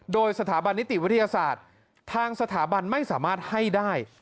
โดยสถาบันนิติวิทยาศาสตร์ทางสถาบันไม่สามารถให้ได้